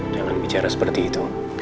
jangan bicara seperti itu